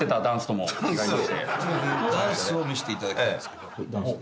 ダンスを見せていただきたいんですけど。